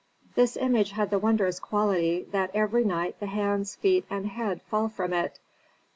This image had the wondrous quality that every night the hands, feet and head fall from it.